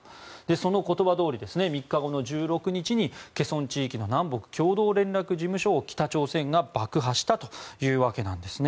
その言葉どおり３日後の１６日にケソン地域の南北共同連絡事務所を爆破したというわけです。